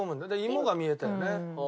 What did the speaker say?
芋が見えたよね。